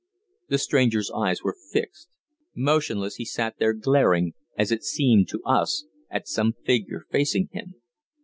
The stranger's eyes were fixed. Motionless he sat there glaring, as it seemed to us, at some figure facing him.